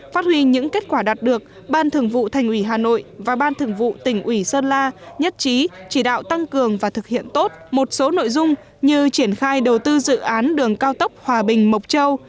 phát huy những kết quả đạt được ban thường vụ thành ủy hà nội và ban thường vụ tỉnh ủy sơn la nhất trí chỉ đạo tăng cường và thực hiện tốt một số nội dung như triển khai đầu tư dự án đường cao tốc hòa bình mộc châu